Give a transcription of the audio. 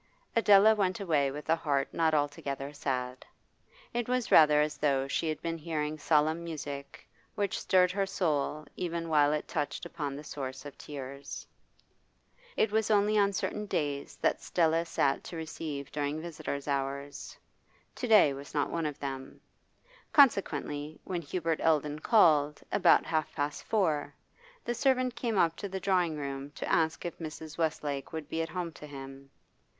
Adela went away with a heart not altogether sad; it was rather as though she had been hearing solemn music, which stirred her soul even while it touched upon the source of tears. It was only on certain days that Stella sat to receive during visitors' hours. To day was not one of them; consequently when Hubert Eldon called, about half past four, the servant came up to the drawing room to ask if Mrs. Westlake would be at home to him.